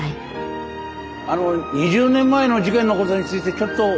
あの２０年前の事件のことについてちょっと。